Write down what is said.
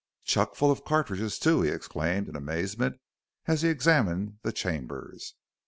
"Chuck full of cattridges, too!" he exclaimed in amazement, as he examined the chambers.